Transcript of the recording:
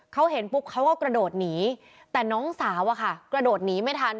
เขาเห็นปุ๊บเขาก็กระโดดหนีแต่น้องสาวอะค่ะกระโดดหนีไม่ทัน